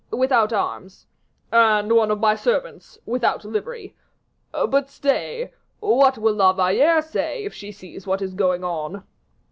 "Without arms." "And one of my servants without livery. But stay, what will La Valliere say if she sees what is going on?"